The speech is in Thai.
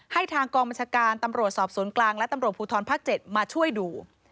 ทางกองบัญชาการตำรวจสอบสวนกลางและตำรวจภูทรภาค๗มาช่วยดู